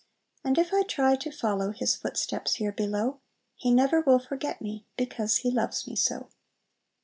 And if I try to follow His footsteps here below, He never will forget me, Because He loves me so."